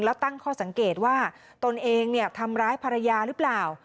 แล้วตั้งข้อสังเกตว่าตนเองทำร้ายภรรยาหรือเปล่า